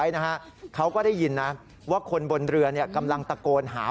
แต่ตอนนั้นชาวบ้านที่ถ่ายคลิปไม่รู้ว่าเป็นคุณแตนโมนิดานะครับ